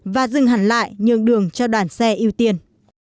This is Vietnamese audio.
và dừng hẳn lại nhường đường cho đoàn xe ưu tiên